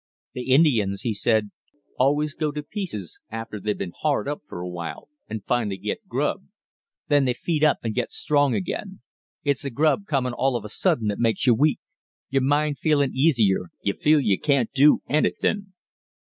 "The Indians," he said, "always go to pieces after they've been hard up for a while and finally get grub. Then they feed up and get strong again. It's the grub comin' all of a sudden that makes you weak. Your mind feelin' easier, you feel you can't do anything."